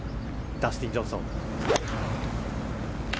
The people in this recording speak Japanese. ダスティン・ジョンソン。